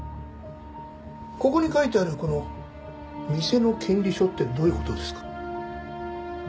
ここに書いてあるこの「店の権利書」ってどういう事ですか？